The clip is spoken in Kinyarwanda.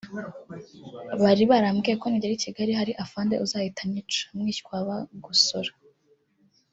Bari barambwiye ko ningera i Kigali hari afande uzahita anyica-Mwishywa wa Bagosora